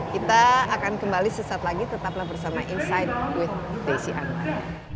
kita akan kembali sesaat lagi tetaplah bersama insight with desi anwar